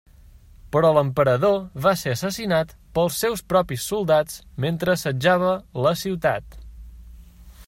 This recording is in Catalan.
Però l'emperador va ser assassinat pels seus propis soldats mentre assetjava la ciutat.